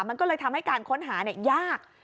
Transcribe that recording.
มันก็เลยทำให้การค้นหายาก